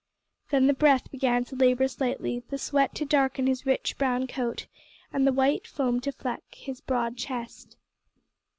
Then the breath began to labour slightly; the sweat to darken his rich brown coat, and the white foam to fleck his broad chest.